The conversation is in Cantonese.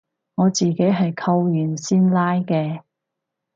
我自己係扣完先拉嘅